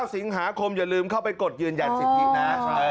สิงหาคมอย่าลืมเข้าไปกดยืนยันสิทธินะ